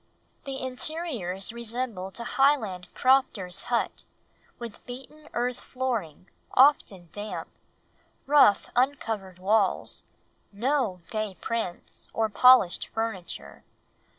The interiors resembled a Highland crofter's hut, with beaten earth flooring, often damp; rough uncovered walls, no gay prints, or polished furniture.